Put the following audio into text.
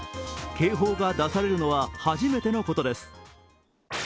警報が出されるのは初めてのことです。